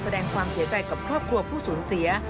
แสดงความเสียใจกับครอบครัวผู้สูญเสีย